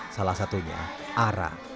salah satunya arah